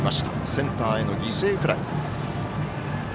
センターへの犠牲フライ。